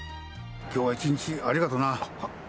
きょうは一日ありがとうな。